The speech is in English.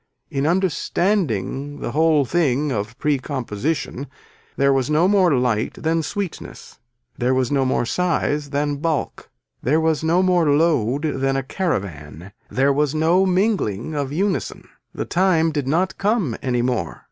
In understanding the whole thing of precomposition there was no more light than sweetness, there was no more size than bulk, there was no more load than a caravan, there was no mingling of unison. The time did not come any more.